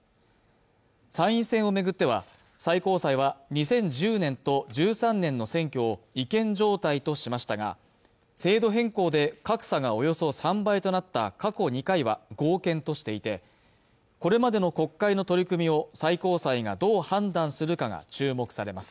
参院選をめぐっては最高裁は２０１０年と１３年の選挙を違憲状態としましたが制度変更で格差がおよそ３倍となった過去２回は合憲としていてこれまでの国会の取り組みを最高裁がどう判断するかが注目されます